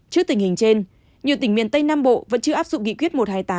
trước tình hình trên nhiều tỉnh miền tây nam bộ vẫn chưa áp dụng nghị quyết một trăm hai mươi tám